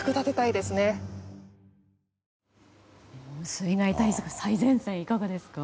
水害対策最前線いかがですか？